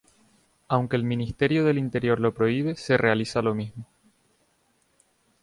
Aunque el Ministerio del Interior lo prohíbe se realiza lo mismo.